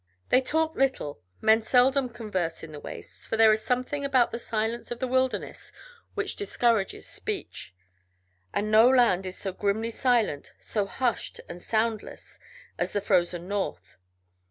They talked little; men seldom converse in the wastes, for there is something about the silence of the wilderness which discourages speech. And no land is so grimly silent, so hushed and soundless, as the frozen North.